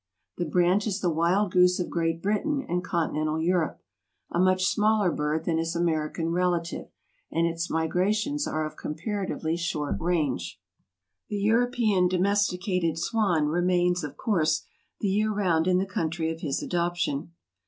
The brant is the wild goose of Great Britain and continental Europe; a much smaller bird than his American relative; and its migrations are of comparatively short range. The European domesticated swan, remains, of course, the year round in the country of his adoption.